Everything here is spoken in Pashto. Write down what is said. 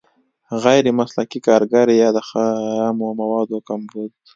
غیر مسلکي کارګر یا د خامو موادو کمبود.